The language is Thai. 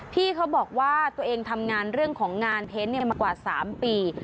พี่เขาบอกว่าตัวเองทำงานเรื่องของงานเทนต์มากว่า๓ปี